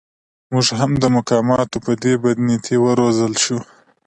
موږ هم د مقاماتو په دې بدنیتۍ و روزل شوو.